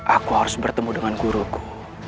aku harus bertemu dengan guruku